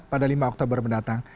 pada lima oktober mendatang